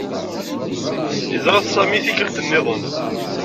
Iẓra-t Sami i tikkelt niḍen.